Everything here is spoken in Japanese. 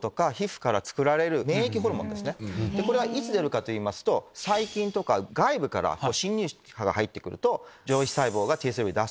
これはいつ出るかといいますと細菌とか外部から侵入者が入ってくると上皮細胞がＴＳＬＰを出す。